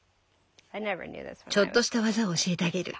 ちょっとした技を教えてあげる。